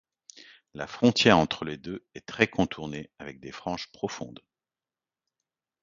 La frontière entre les deux est très contournée avec des franges profondes.